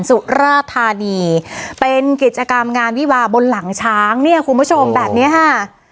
สุราธานีเป็นกิจกรรมงานวิวาบนหลังช้างเนี่ยคุณผู้ชมแบบเนี้ยค่ะ